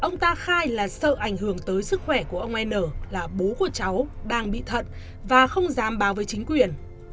ông ta khai là sợ ảnh hưởng tới sức khỏe của ông n là bố của cháu đang bị thận và không dám báo với chính quyền